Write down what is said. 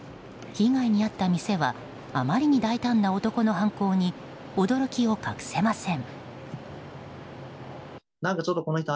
被害に遭った店はあまりに大胆な男の犯行に驚きを隠せません。